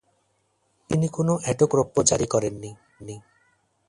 তিনি কোনো অ্যাটক রৌপ্য জারি করেননি।